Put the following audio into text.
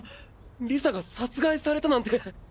リサが殺害されたなんて！？